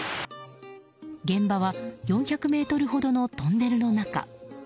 現場は４００ｍほどのトンネルの中。